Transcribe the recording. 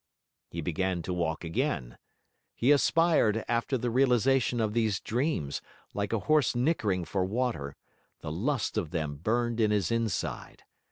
He began to walk again. He aspired after the realisation of these dreams, like a horse nickering for water; the lust of them burned in his inside.